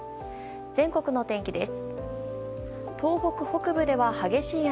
全国の天気です。